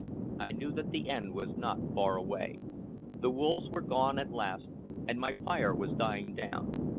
I knew that the end was not far away. The wolves were gone at last, and my fire was dying down.